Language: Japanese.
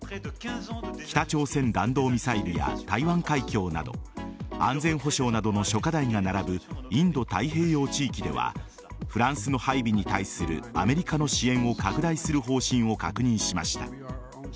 北朝鮮弾道ミサイルや台湾海峡など安全保障などの諸課題が並ぶインド太平洋地域ではフランスの配備に対するアメリカの支援を拡大する方針を確認しました。